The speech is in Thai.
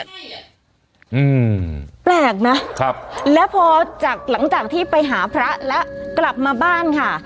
อืมแปลกนะครับแล้วพอจากหลังจากที่ไปหาพระแล้วกลับมาบ้านค่ะ